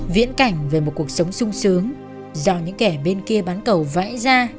viễn cảnh về một cuộc sống sung sướng do những kẻ bên kia bán cầu vãi ra